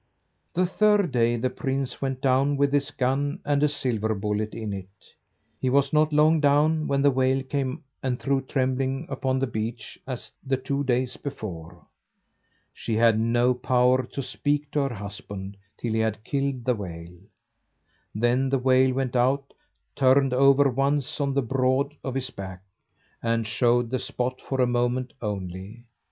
The third day the prince went down with his gun and a silver bullet in it. He was not long down when the whale came and threw Trembling upon the beach as the two days before. She had no power to speak to her husband till he had killed the whale. Then the whale went out, turned over once on the broad of his back, and showed the spot for a moment only.